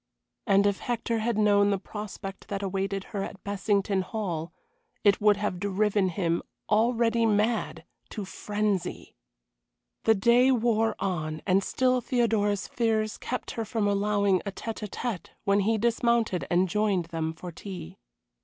And if Hector had known the prospect that awaited her at Bessington Hall, it would have driven him already mad to frenzy. The day wore on, and still Theodora's fears kept her from allowing a tête à tête when he dismounted and joined them for tea.